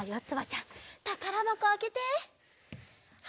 ちゃんたからばこあけて！